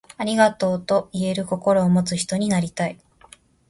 ありがとう、と言える心を持つ人になりたい。